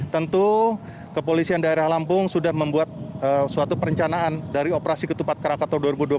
tentu kepolisian daerah lampung sudah membuat suatu perencanaan dari operasi ketupat krakato dua ribu dua puluh